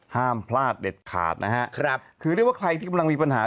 ห้ามพลาดเด็ดขาดนะฮะครับคือเรียกว่าใครที่กำลังมีปัญหา